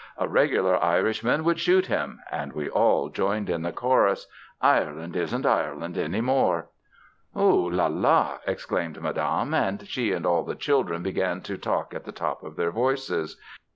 "A regular Irishman would shoot him," and we all joined in the chorus, "Ireland Isn't Ireland Any More." "Ooh, la, la!" exclaimed Madame, and she and all the children began to talk at the top of their voices.